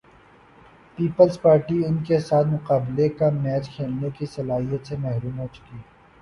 Peoples Party ان کے ساتھ مقابلے کا میچ کھیلنے کی صلاحیت سے محروم ہو چکی۔